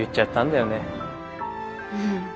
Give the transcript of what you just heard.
うん。